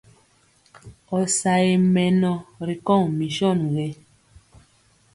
Ɔ sa ye mɛnɔ ri kɔŋ mison gé?